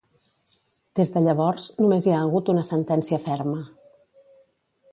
Des de llavors, només hi ha hagut una sentència ferma.